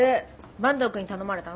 坂東くんに頼まれたの？